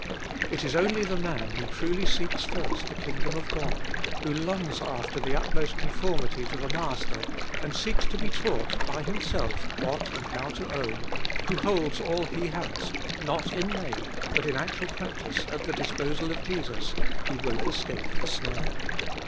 It is only the man who truly seeks first the kingdom of God, who longs after the utmost conformity to the Master, and seeks to be taught by Himself what and how to own, who holds all He has, not in name but in actual practice, at the disposal of Jesus, who will escape the snare.